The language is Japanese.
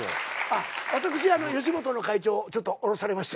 私吉本の会長をちょっと降ろされました。